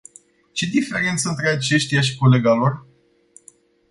Ce diferență între aceștia și colega lor.